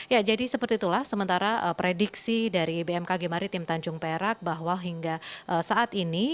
ya jadi seperti itulah sementara prediksi dari bmkg maritim tanjung perak bahwa hingga saat ini